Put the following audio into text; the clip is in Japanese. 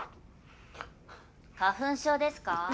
花粉症ですか？